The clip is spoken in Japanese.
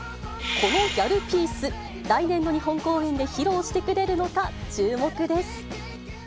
このギャルピース、来年の日本公演で披露してくれるのか注目です。